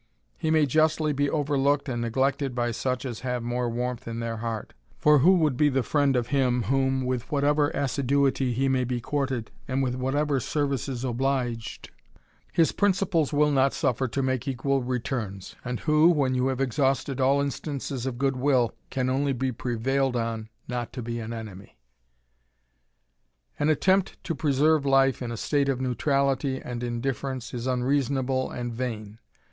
He may justly be overlooked and neglected by such as have more warmth in their heart ; for who would be the friend of him, whom, with whatever assiduity he may be courted, and with whatever services obliged, his principles will not suffer to make equal returns, and who, when you have exhausted all the instances of goodwill, can only be prevailed on not to be an enemy ? An attempt to preserve life in a state of neutrality and indifference, is unreasonable and vain.